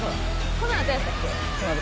このあとやったっけ？」